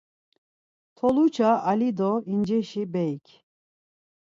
Toluça Ali do İnceşi Beyi'k